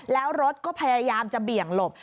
แล้วรถก็พยายามจะเบี่ยงหลบ